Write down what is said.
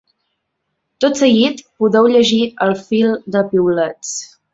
Tot seguit, podeu llegir el fil de piulets.